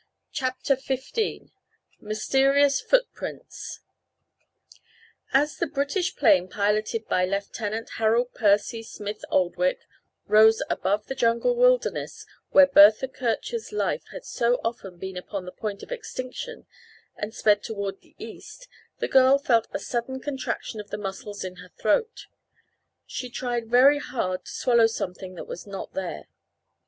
Chapter XV Mysterious Footprints As the British plane piloted by Lieutenant Harold Percy Smith Oldwick rose above the jungle wilderness where Bertha Kircher's life had so often been upon the point of extinction, and sped toward the east, the girl felt a sudden contraction of the muscles of her throat. She tried very hard to swallow something that was not there.